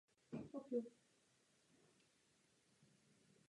Druhou sobotní dvouhru vyhrála Šafářová nad Kerberovou ve dvou setech.